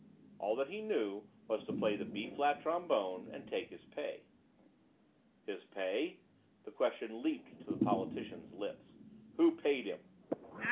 All that he knew was to play the B flat trombone and take his pay." "His pay?" The question leaped to the politician's lips. "Who paid him?"